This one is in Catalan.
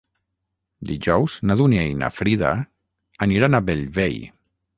Dijous na Dúnia i na Frida aniran a Bellvei.